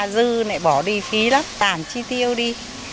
dư này bỏ đi phí lắm tảm chi tiêu đi